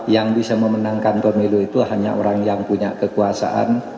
yang bisa memenangkan pemilu itu hanya orang yang punya kekuasaan